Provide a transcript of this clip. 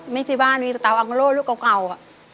ไม่ใช่บ้านมีเตาอังโล่ลูกเก่าอ่ะ